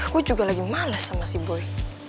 gue juga lagi males sama si boy